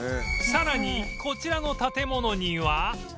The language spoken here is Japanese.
さらにこちらの建物には